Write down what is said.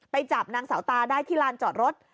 จับนางสาวตาได้ที่ลานจอดรถ